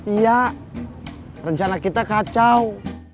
iya rencana kita kacau